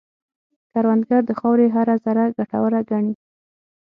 کروندګر د خاورې هره ذره ګټوره ګڼي